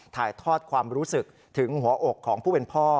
ถ่ายทอดความรู้สึกถึงหัวอกของผู้เป็นพ่อ